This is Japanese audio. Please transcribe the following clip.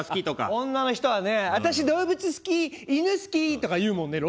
あっ女の人はね「私動物好き犬好き」とか言うもんね。